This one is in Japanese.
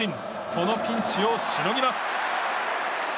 このピンチをしのぎます。